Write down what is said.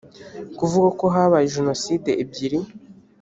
kuvuga ko habaye jenoside ebyiri